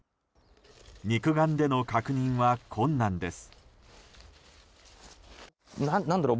肉眼での確認は困難です。